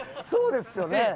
そうですよね。